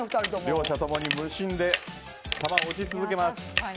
両者ともに無心で玉を打ち続けます。